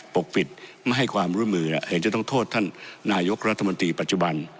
ปกปิดไม่ให้ความร่วมมือเห็นจะต้องโทษท่านนายกรัฐมนตรีปัจจุบัน